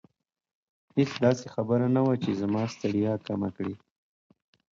هیڅ داسې خبره نه وه چې زما ستړیا کمه کړي.